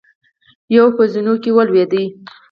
يو په زينو کې ولوېد.